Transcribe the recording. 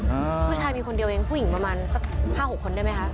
ผู้ชายมีคนเดียวเองผู้หญิงประมาณสักห้าหกคนได้ไหมคะ